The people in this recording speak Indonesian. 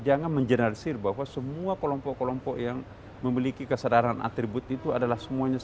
jangan menjelaskan bahwa semua kelompok kelompok yang memiliki kesadaran atribut keislaman ini